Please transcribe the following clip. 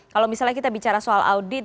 kalau misalnya kita bicara soal audit